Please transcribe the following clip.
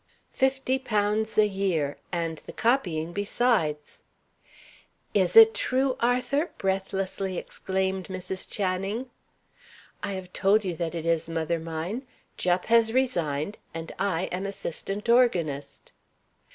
"Fifty pounds a year, And the copying besides." "Is it true, Arthur?" breathlessly exclaimed Mrs. Channing. "I have told you that it is, mother mine. Jupp has resigned, and I am assistant organist."